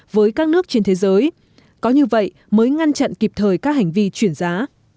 với các nước trên thế giới có như vậy mới ngăn chặn kịp thời các hành vi chuyển giá